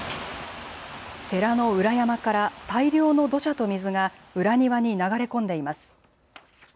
寺の裏山から大量の土砂と水が裏庭に流れ込んでいます。